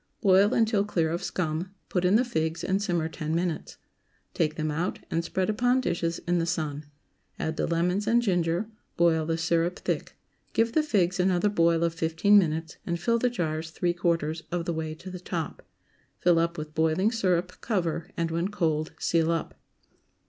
Boil until clear of scum; put in the figs and simmer ten minutes. Take them out and spread upon dishes in the sun. Add the lemons and ginger; boil the syrup thick; give the figs another boil of fifteen minutes, and fill the jars three quarters of the way to the top. Fill up with boiling syrup, cover, and, when cold, seal up.